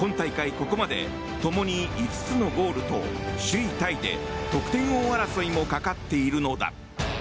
ここまでともに５つのゴールと首位タイで得点王争いもかかっているのだ。